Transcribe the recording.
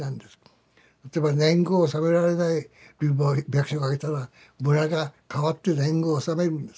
例えば年貢を納められない貧乏百姓がいたら村が代わって年貢を納めるんです。